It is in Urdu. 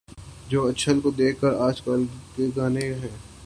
جو اچھل کود کے آج کل کے گانے ہیں۔